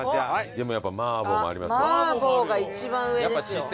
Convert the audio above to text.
でもやっぱ麻婆もありますよ。